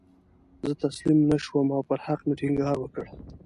زه تسلیم نه شوم او پر حق مې ټینګار وکړ.